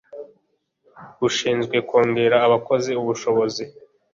bushinzwe kongerera abakozi ubushobozi